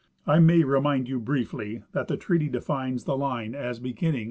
I may remind you briefly that the treaty defines the line as beginning (177) 178 T.